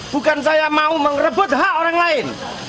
bukan saya mau merebut hak orang lain